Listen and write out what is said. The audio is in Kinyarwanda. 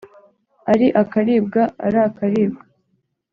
ari akaribwa ari akaribwa